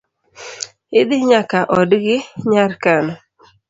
Idhi nyaka odgi nyar kano